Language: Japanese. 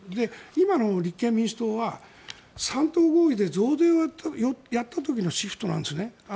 今の立憲民主党は３党合意で増税をやった時のシフトなんですね。